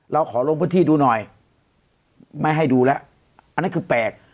เราขอลงพื้นที่ดูหน่อยไม่ให้ดูแล้วอันนั้นคือแปลก